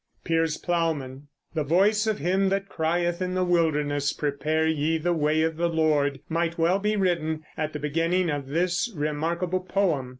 PIERS PLOWMAN. "The voice of him that crieth in the wilderness, Prepare ye the way of the Lord," might well be written at the beginning of this remarkable poem.